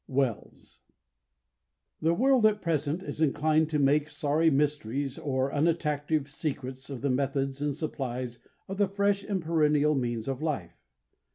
WELLS The world at present is inclined to make sorry mysteries or unattractive secrets of the methods and supplies of the fresh and perennial means of life.